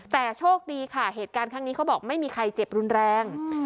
แต่โชคดีค่ะเหตุการณ์ครั้งนี้เขาบอกไม่มีใครเจ็บรุนแรง